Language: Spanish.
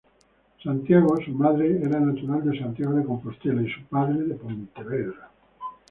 Santiago Su madre era natural de Santiago de Compostela y su padre de Pontevedra.